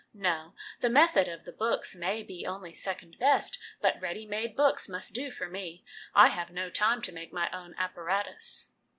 No ; the method of the books may be only second best, but ready made books must do for me. I have no time to make my own apparatus."